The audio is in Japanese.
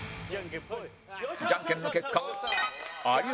じゃんけんの結果有吉